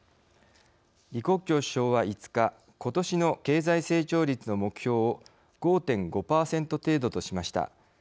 李克強首相は５日ことしの経済成長率の目標を５．５％程度としました。